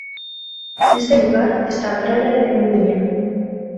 Neste lugar está a praia de Menduíña.